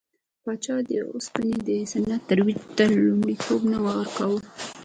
پاچا د اوسپنې د صنعت ترویج ته لومړیتوب نه ورکاوه.